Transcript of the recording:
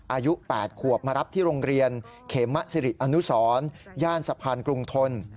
อายุ๘ขวบมารับที่โรงเรียนเขมะสิริอนุสรย่านสะพานกรุงทน